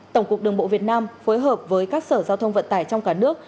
tổng cục đường bộ việt nam phối hợp với các sở giao thông vận tải trong cả nước